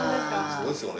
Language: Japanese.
そうですよね。